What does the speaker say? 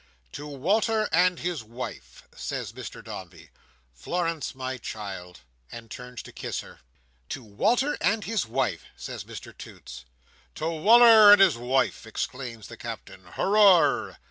"To Walter and his wife!" says Mr Dombey. "Florence, my child"—and turns to kiss her. "To Walter and his wife!" says Mr Toots. "To Wal"r and his wife!" exclaims the Captain. "Hooroar!"